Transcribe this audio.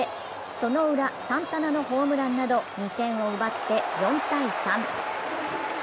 そのウラ、サンタナのホームランなど２点を奪って４−３。